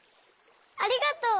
ありがとう！